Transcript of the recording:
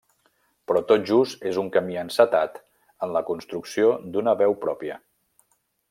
Però tot just és un camí encetat en la construcció d'una veu pròpia.